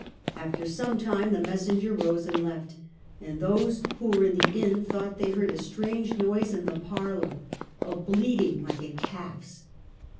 After some time the messenger rose and left ; and those who were in the inn thought they heard a strange noise in the parlor — a bleating like a calf's.